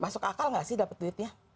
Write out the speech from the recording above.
masuk akal gak sih dapet duitnya